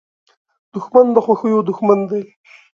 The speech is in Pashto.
دښمن د خوښیو دوښمن دی